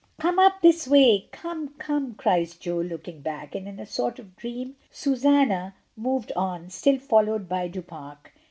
"Come up this way. Come! come!" cries Jo, looking back, and in a sort of dream Susanna moved on, still followed by Du Pare.